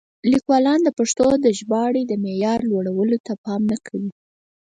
لیکوالان د پښتو د ژباړې د معیار لوړولو ته پام نه کوي.